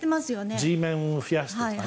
Ｇメンを増やしてとかね。